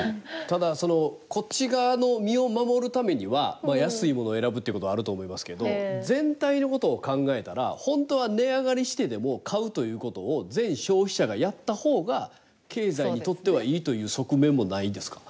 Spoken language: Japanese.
ただそのこっち側の身を守るためには安い物を選ぶっていうことはあると思いますけど全体のことを考えたら本当は値上がりしてでも買うということを全消費者がやった方が経済にとってはいいという側面もないですか？